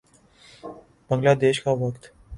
بنگلہ دیش کا وقت